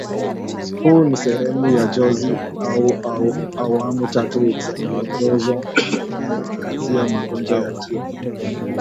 huu ni sehemu ya jozi au awamu tatu za miongozo inayoangazia magonjwa ya kieneo